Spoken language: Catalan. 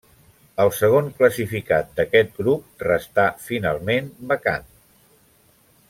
El segon classificat d'aquest grup restà, finalment, vacant.